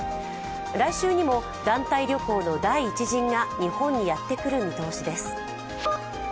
来週にも団体旅行の第１陣が日本にやってくる見通しです。